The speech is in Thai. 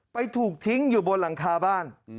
ถูกทิ้งอยู่บนหลังคาบ้าน